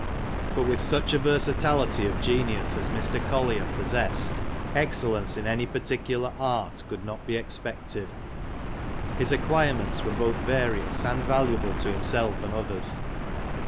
But with such a versatility of genius as Mr. Collier pos sessed, excellence in any particular art could not be expected. His acquirements were both various, and valuable to himself and others.